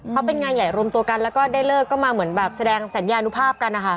เขาเป็นงานใหญ่รวมตัวกันแล้วก็ได้เลิกก็มาเหมือนแบบแสดงสัญญานุภาพกันนะคะ